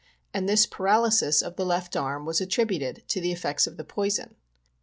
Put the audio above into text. And this paralysis of the left arm was attributed to the effects of the poison.